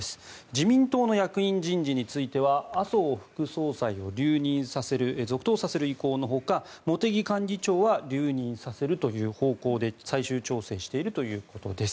自民党の役員人事については麻生副総裁を留任させる続投させる意向のほか茂木幹事長は留任させるという方向で最終調整しているということです。